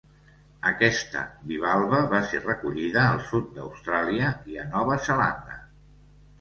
Aquesta bivalva va ser recollida al sud d’Austràlia i a Nova Zelanda.